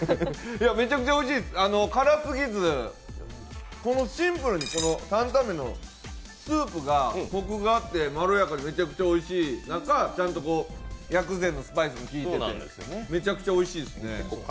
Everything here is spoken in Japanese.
めちゃくちゃおいしい、辛すぎず、シンプルに坦々麺のスープがコクがあってまろやかでめちゃくちゃおいしい中、ちゃんと薬膳のスパイスも効いててめちゃくちゃおいしいですね。